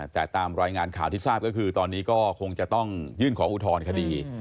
แต่ตามรายงานข่าวที่ทราบก็คือตอนนี้ก็คงจะต้องยื่นขออุทธรณคดี